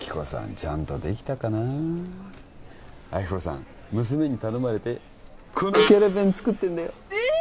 ちゃんとできたかな亜希子さん娘に頼まれてこのキャラ弁作ったんだよえっ！